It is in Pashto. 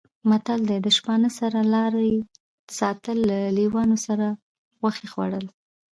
متل دی: د شپانه سره لارې ساتل، له لېوانو سره غوښې خوړل